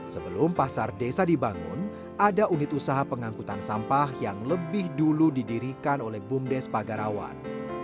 sebelum pasar desa dibangun ada unit usaha pengangkutan sampah yang lebih dulu didirikan oleh bumdes pagarawan